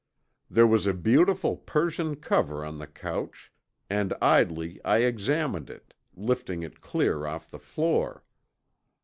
There was a beautiful Persian cover on the couch and idly I examined it, lifting it clear of the floor.